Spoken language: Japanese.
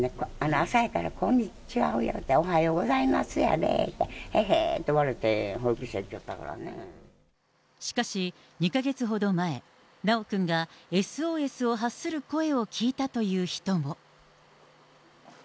朝やから、こんにちはちゃうやろって、おはようございますやで言うたら、へへーってわろて、しかし、２か月ほど前、修くんがＳＯＳを発する声を聞いたという人も。